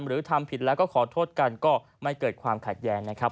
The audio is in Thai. หรือทำผิดแล้วก็ขอโทษกันก็ไม่เกิดความขัดแย้งนะครับ